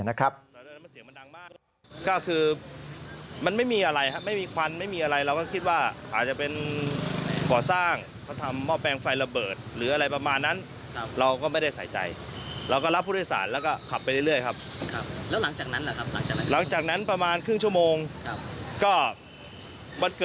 ในตอนนั้นเสียงดังมาก